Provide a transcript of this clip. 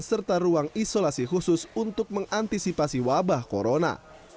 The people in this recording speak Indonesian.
serta ruang isolasi khusus untuk mengantisipasi wabah corona